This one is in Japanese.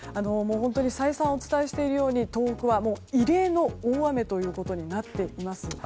再三お伝えしているように東北は異例の大雨となっています。